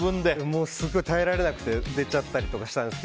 すごい耐えられなくて出ちゃったりしたんですが。